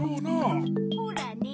ほらね。